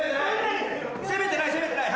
攻めてない攻めてない